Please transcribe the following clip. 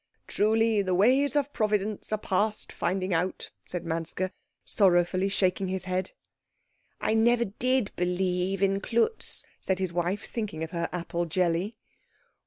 "Truly the ways of Providence are past finding out," said Manske, sorrowfully shaking his head. "I never did believe in Klutz," said his wife, thinking of her apple jelly.